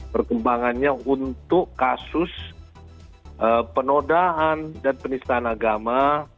perkembangannya untuk kasus penodaan dan penistaan agama